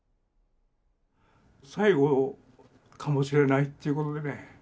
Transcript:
最後かもしれないっていうことでね。